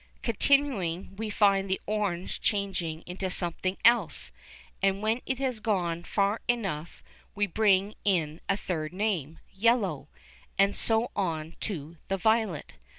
Continuing, we find the orange changing into something else, and when it has gone far enough, we bring in a third name, yellow, and so on to the violet.